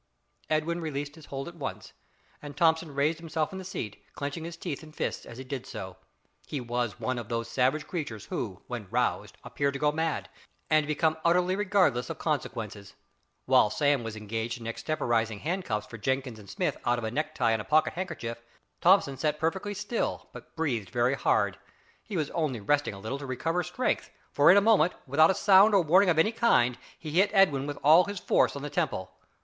Edwin released his hold at once, and Thomson raised himself in the seat, clenching his teeth and fists as he did so. He was one of those savage creatures who, when roused, appear to go mad, and become utterly regardless of consequences. While Sam was engaged in e temporising handcuffs for Jenkins and Smith out of a necktie and a pocket handkerchief, Thomson sat perfectly still, but breathed very hard. He was only resting a little to recover strength, for in a moment, without a sound or warning of any kind, he hit Edwin with all his force on the temple.